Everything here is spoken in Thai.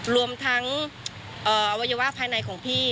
รวมทั้งอวัยวะภายในของพี่